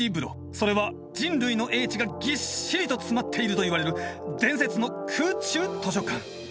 それは人類の英智がぎっしりと詰まっていると言われる伝説の空中図書館。